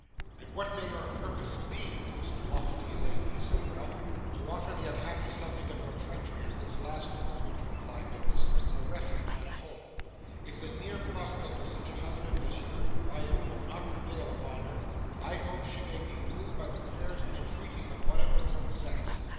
'And what may your purpose be, most lofty lady?' said Ralph. 'To offer to the unhappy subject of your treachery, at this last moment,' replied Nicholas, 'a refuge and a home. If the near prospect of such a husband as you have provided will not prevail upon her, I hope she may be moved by the prayers and entreaties of one of her own sex.